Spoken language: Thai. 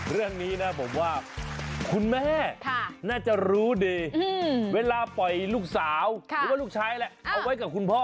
เรื่องนี้ผมว่าคุณแม่เน่จรู้ไว้สังหรับลูกสาวหรือลูกชายแล้วเอาไว้กับคุณพ่อ